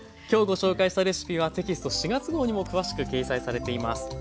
きょうご紹介したレシピはテキスト４月号にも詳しく掲載されています。